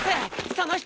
その人